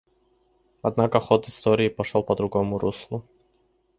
Однако ход истории пошел по другому руслу.